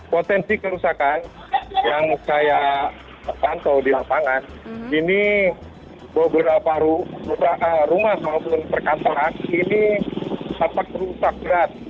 potensi kerusakan yang saya pantau di lapangan ini beberapa rumah sama perantauan tempat kerusakan berat